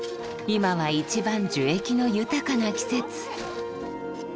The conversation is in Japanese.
今は一番樹液の豊かな季節。